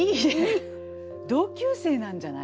同級生なんじゃない？